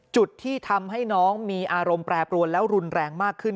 จุดที่ทำให้น้องมีอารมณ์แปรปรวนแล้วรุนแรงมากขึ้น